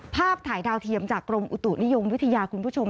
ภาพถ่ายดาวเทียมจากกรมอุตุนิยมวิทยาคุณผู้ชม